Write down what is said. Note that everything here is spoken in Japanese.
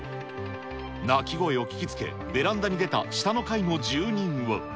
泣き声を聞きつけ、ベランダに出た下の階の住人は。